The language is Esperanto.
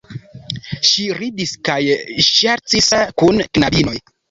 Ŝi ridis kaj ŝercis kun knabinoj.